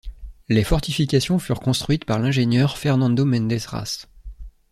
Les fortifications furent construites par l'ingénieur Fernando Méndez Ras.